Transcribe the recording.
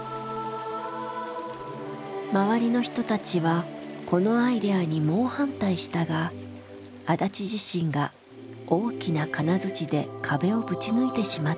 周りの人たちはこのアイデアに猛反対したが足立自身が大きな金づちで壁をぶち抜いてしまったそうだ。